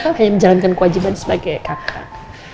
kayaknya menjalankan kewajiban sebagai kakak